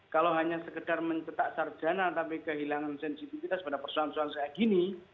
kalau hanya sekedar mencetak sarjana sampai kehilangan sensitivitas pada persoalan persoalan segini